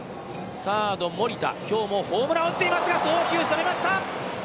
サード森田、きょうホームランを打っていますが送球、それました。